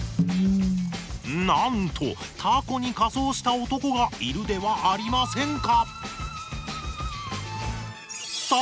なんとタコに仮装した男がいるではありませんか！